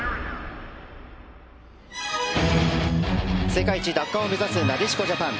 世界一奪還を目指すなでしこジャパン。